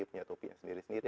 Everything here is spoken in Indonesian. punya topik yang sendiri sendiri